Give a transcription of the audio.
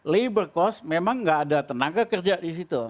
labor cost memang nggak ada tenaga kerja di situ